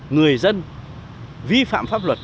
người dân vi phạm pháp luật